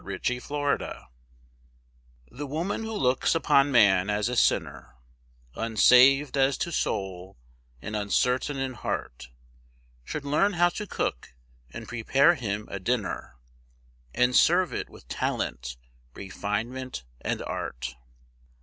THE CUSINE The woman who looks upon man as a sinner Unsaved as to soul, and uncertain in heart, Should learn how to cook, and prepare him a dinner, And serve it with talent, refinement, and art.